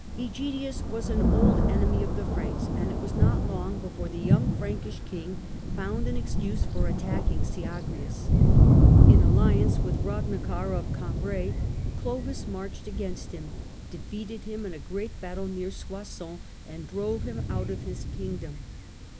iEgidius was an old enemy of the Franks, and it was not long before the young Frankish King found an excuse for attacking Syagrius. In alliance with Ragnakar of Cambrai, Clovis marched against him, defeated him in a great battle near Soissons, and drove him out of his kingdom.